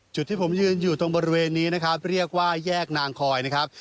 จุดที่ผมยืนอยู่ตรงบริเวณนี้นะครับเรียกว่าแยกนางคอยนะครับ